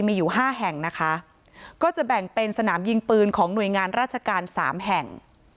มีอยู่ห้าแห่งนะคะก็จะแบ่งเป็นสนามยิงปืนของหน่วยงานราชการสามแห่ง